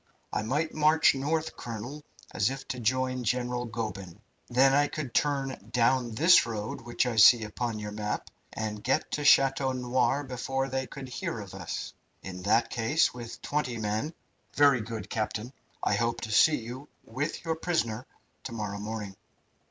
"I might march north, colonel, as if to join General Goeben. Then I could turn down this road which I see upon your map, and get to Chateau Noir before they could hear of us. In that case, with twenty men " "Very good, captain. I hope to see you with your prisoner to morrow morning."